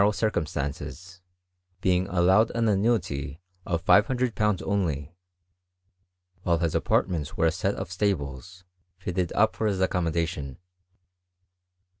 row circumstances, being allowed an annuity of £500 only; while his apartments were a set of stableSi fitted up for his accommodation.